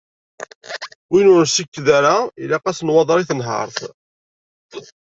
Win ur nsekked ara ilaq-as nwaḍer i tenhert.